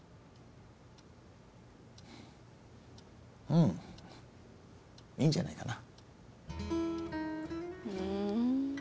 うんいいんじゃないかな。